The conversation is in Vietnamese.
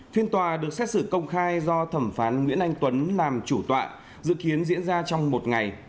phiên tòa được xét xử công khai do thẩm phán nguyễn anh tuấn làm chủ tọa dự kiến diễn ra trong một ngày